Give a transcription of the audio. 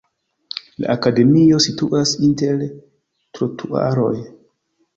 La akademio situas inter trotuaroj.